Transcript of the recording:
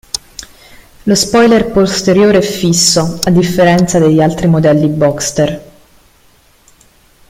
Lo spoiler posteriore è fisso, a differenza degli altri modelli Boxster.